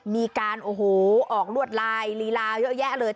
มีการโอ้โหออกลวดลายลีลาเยอะแยะเลย